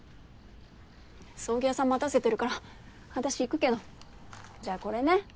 葬儀屋さん待たせてるから私行くけどじゃあこれね。